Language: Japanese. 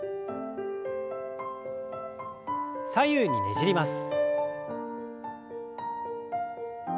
左右にねじります。